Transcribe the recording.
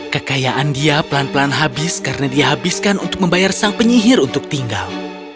kekayaan dia pelan pelan habis karena dia habiskan untuk membayar sang penyihir untuk tinggal